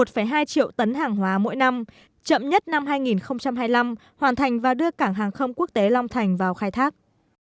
một hai triệu tấn hàng hóa mỗi năm chậm nhất năm hai nghìn hai mươi năm hoàn thành và đưa cảng hàng không quốc tế long thành vào khai thác